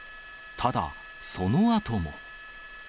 ただ、そのあとも。